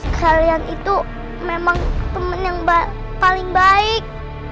kalian itu memang teman yang paling baik